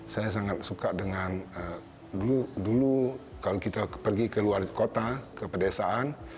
saya sangat suka dengan dulu kalau kita pergi ke luar kota ke pedesaan